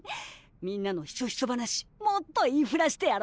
みんなのひそひそ話もっと言いふらしてやろうっと。